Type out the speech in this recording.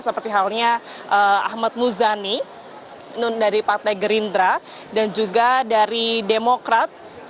seperti halnya ahmad muzani dari partai gerindra dan juga dari demokrat